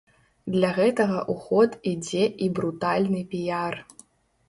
Для гэтага ў ход ідзе і брутальны піяр.